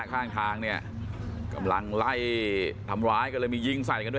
ข้างทางเนี่ยกำลังไล่ทำร้ายกันเลยมียิงใส่กันด้วย